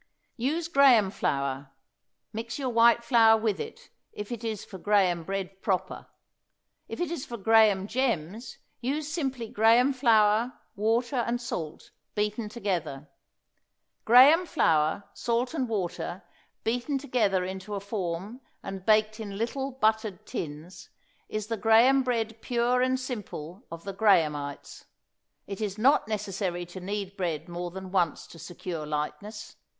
Use graham flour; mix your white flour with it, if it is for graham bread proper; if it is for graham gems use simply graham flour, water and salt, beaten together. Graham flour, salt and water beaten together into a form and baked in little buttered tins is the graham bread pure and simple of the Grahamites. It is not necessary to knead bread more than once to secure lightness.